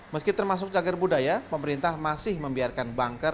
meski termasuk cagar budaya pemerintah masih membiarkan banker